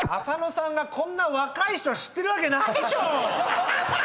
浅野さんがこんな若い人知ってるわけないでしょ！